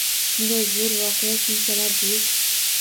Shunday zo’r voqea, shunchalar buyuk!